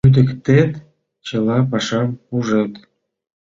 Лӱдыктет — чыла пашам пужет.